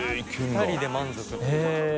２人で満足。